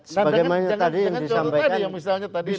sebagai yang tadi yang disampaikan